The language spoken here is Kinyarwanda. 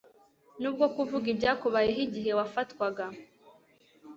nubwo kuvuga ibyakubayeho igihe wafatwaga